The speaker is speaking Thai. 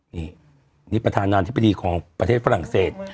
นี่นี่ประธานาธิบดีของประเทศฝรั่งเศส